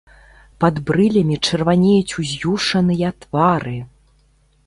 Пад брылямі чырванеюць уз'юшаныя твары.